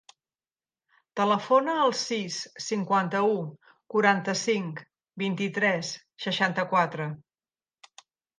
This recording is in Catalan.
Telefona al sis, cinquanta-u, quaranta-cinc, vint-i-tres, seixanta-quatre.